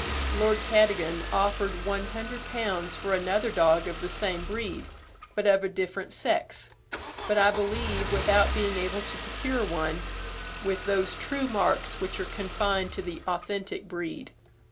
Lord Cadogan offered one hundred pounds for another dog of the same breed, but of a different sex; but I believe without being able to procure one with those true marks which are confined to the authentic breed.